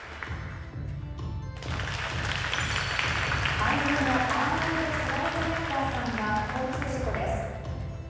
俳優のアーノルド・シュワルツェネッガーさんが交通事故です。